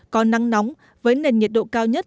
có nắng nóng với nền nhiệt độ cao nhất